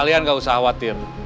kalian gak usah khawatir